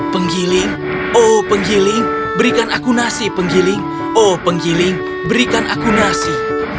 penggiling oh penggiling berikan aku nasi penggiling oh penggiling berikan akunasi